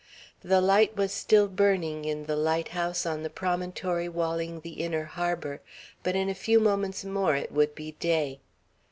The light was still burning in the light house on the promontory walling the inner harbor, but in a few moments more it would be day.